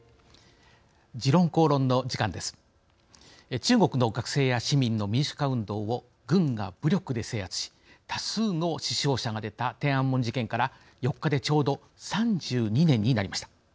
中国の学生や市民の民主化運動を軍が武力で制圧し多数の死傷者が出た天安門事件から４日でちょうど３２年になりました。